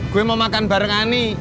gue mau makan bareng ani